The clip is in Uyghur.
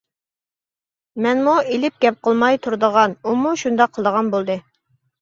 مەنمۇ ئېلىپ گەپ قىلماي تۇرىدىغان، ئۇمۇ شۇنداق قىلىدىغان بولدى.